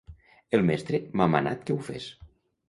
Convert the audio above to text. El mestre m'ha manat que ho fes.